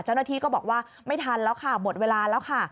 เจ้าหน้าที่ก็บอกว่าไม่ทันแล้วค่ะหมดเวลาแล้วค่ะ